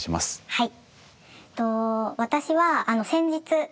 はい。